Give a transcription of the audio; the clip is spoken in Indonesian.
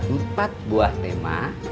empat buah tema